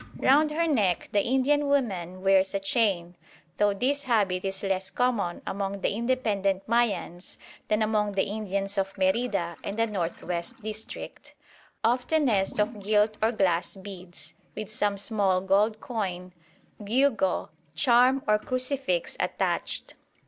Round her neck the Indian woman wears a chain (though this habit is less common among the independent Mayans than among the Indians of Merida and the north west district), oftenest of gilt or glass beads, with some small gold coin, gewgaw, charm or crucifix attached.